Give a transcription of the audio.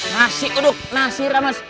nasi uduk nasi rames